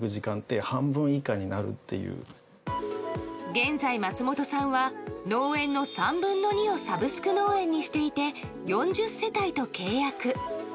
現在、松本さんは農園の３分の２をサブスク農園にしていて４０世帯と契約。